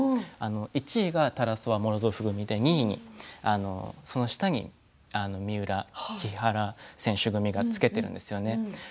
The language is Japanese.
１位がタラソワ・モロゾフ組でその下の２位に三浦・木原選手組がつけているんですよね。